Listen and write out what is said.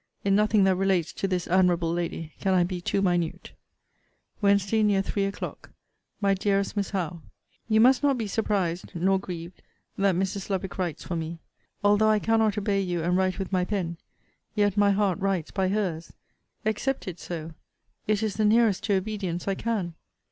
In nothing that relates to this admirable lady can I be too minute. WEDN. NEAR THREE O'CLOCK. MY DEAREST MISS HOWE, You must not be surprised nor grieved that Mrs. Lovick writes for me. Although I cannot obey you, and write with my pen, yet my heart writes by her's accept it so it is the nearest to obedience I can!